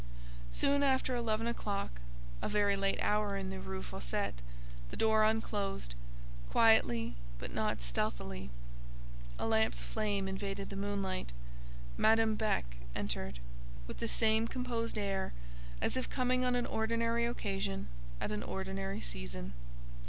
Soon after eleven o'clock—a very late hour in the Rue Fossette—the door unclosed, quietly but not stealthily; a lamp's flame invaded the moonlight; Madame Beck entered, with the same composed air, as if coming on an ordinary occasion, at an ordinary season.